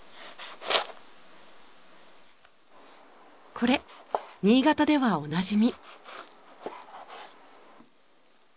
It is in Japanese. これ新潟ではおなじみ。